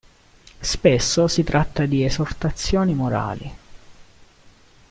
Spesso si tratta di esortazioni morali.